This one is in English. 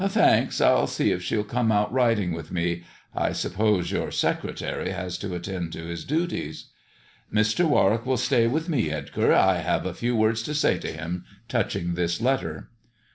"Thanks. Til see if she'll come out riding with me. I suppose your secretary has to attend to his duties." "Mr. Warwick will stay with me, Edgar. I have a few words to say to him touching this letter."